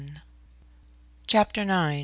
Chapter IX.